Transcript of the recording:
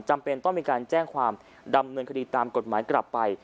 จำเป็นต้องมีการแจ้งความดำเนินคดีตามกฎหมายกลับไป